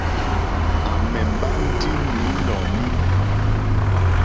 À mɛ̀ mbá ndí nǐ nɔ̀ní.